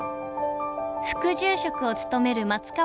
副住職を務める松川さん。